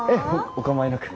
お構いなく。